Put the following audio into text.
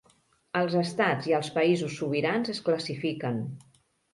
Els estats i els països sobirans es classifiquen.